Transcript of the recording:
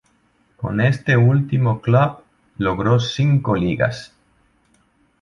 Con este último club logró cinco ligas.